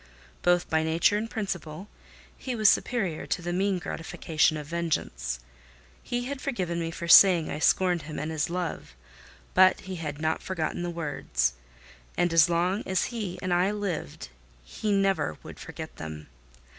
Both by nature and principle, he was superior to the mean gratification of vengeance: he had forgiven me for saying I scorned him and his love, but he had not forgotten the words; and as long as he and I lived he never would forget them.